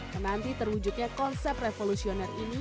menanti terwujudnya konsep revolusioner ini